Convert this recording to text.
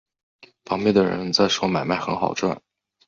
旁边的人在说买卖很好赚